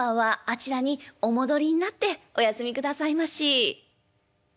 あちらにお戻りになってお休みくださいまし」。